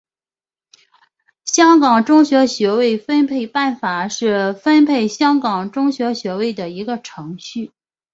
香港中学学位分配办法是分配香港中学学位的一个程序。